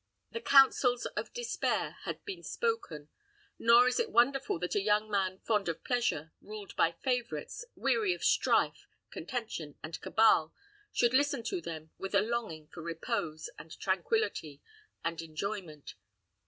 The counsels of despair had been spoken, nor is it wonderful that a young man fond of pleasure, ruled by favorites, weary of strife, contention, and cabal, should listen to them with a longing for repose, and tranquillity, and enjoyment.